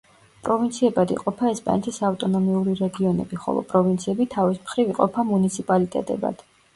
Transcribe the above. პროვინციებად იყოფა ესპანეთის ავტონომიური რეგიონები, ხოლო პროვინციები თავის მხრივ იყოფა მუნიციპალიტეტებად.